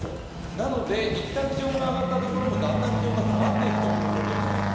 なのでいったん気温が上がったところも、だんだん気温が下がっていくということになります。